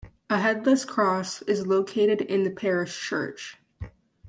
A 'headless cross' is located in the parish church.